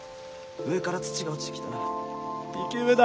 上から土が落ちてきたら生き埋めだ。